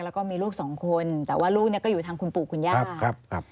แล้วก็มีลูกสองคนแต่ว่าลูกเนี่ยก็อยู่ทางคุณปู่คุณย่าครับ